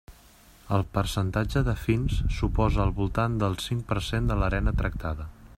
El percentatge de fins suposa al voltant del cinc per cent de l'arena tractada.